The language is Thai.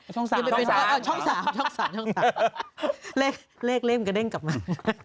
ช่องสามช่องสามช่องสามช่องสามเลขเลขเล่มกระเด้งกลับมา